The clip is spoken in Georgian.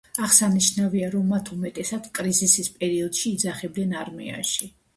აღსანიშნავია, რომ მათ უმეტესად კრიზისის პერიოდში იძახებდნენ არმიაში.